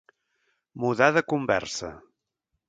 Mudar de conversa.